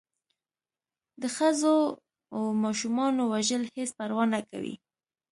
د ښځو و ماشومانو وژل هېڅ پروا نه کوي.